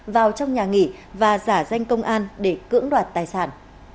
vào trong nhà nghỉ và giả danh công an để cưỡng đoạt tài sản